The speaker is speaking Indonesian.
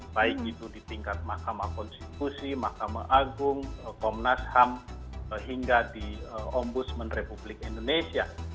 baik itu di tingkat mahkamah konstitusi mahkamah agung komnas ham hingga di ombudsman republik indonesia